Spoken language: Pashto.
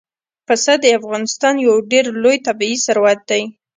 پسه د افغانستان یو ډېر لوی طبعي ثروت دی.